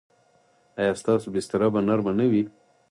ایا ستاسو بستره به نرمه نه وي؟